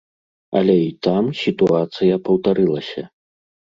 Але і там сітуацыя паўтарылася.